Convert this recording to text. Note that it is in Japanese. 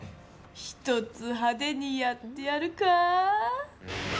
一つ派手にやってやるか！